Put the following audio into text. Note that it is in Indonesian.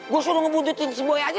gue suruh ngebuntutin sebuah aja